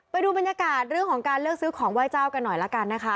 ไปดูบรรยากาศเรื่องของการเลือกซื้อของไหว้เจ้ากันหน่อยละกันนะคะ